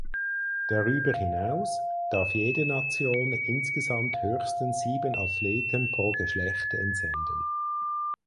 Darüber hinaus darf jede Nation insgesamt höchstens sieben Athleten pro Geschlecht entsenden.